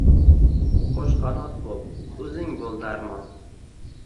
Qoʼsh qanot boʼl, Oʼzing boʼl darmon